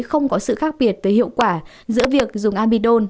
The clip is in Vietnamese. không có sự khác biệt về hiệu quả giữa việc dùng amidon